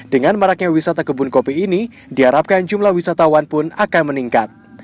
dengan maraknya wisata kebun kopi ini diharapkan jumlah wisatawan pun akan meningkat